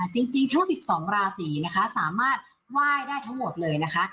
จริงทั้ง๑๒ราศีนะคะสามารถไหว้ได้ทั้งหมดเลยนะคะ